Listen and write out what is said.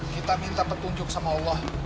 kita minta petunjuk sama allah